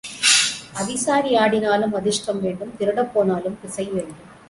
அவிசாரி ஆடினாலும் அதிர்ஷ்டம் வேண்டும் திருடப் போனாலும் திசை வேண்டும்.